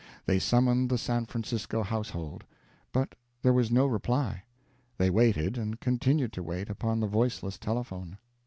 They summoned the San Francisco household; but there was no reply. They waited, and continued to wait, upon the voiceless telephone.